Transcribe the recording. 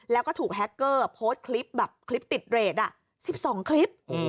แล้วก็ถูกแฮคเกอร์โพสต์คลิปแบบคลิปติดเรท๑๒คลิป